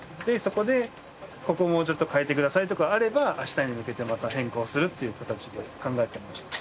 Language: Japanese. でそこでここもうちょっと変えてくださいとかあれば明日に向けてまた変更するっていう形で考えてます。